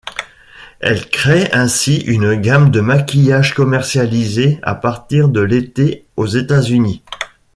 Elle crée ainsi une gamme de maquillage commercialisée à partir de l'été aux États-Unis.